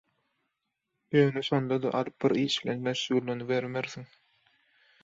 Ýöne şonda-da alyp bir iş bilen meşgullanybermersiň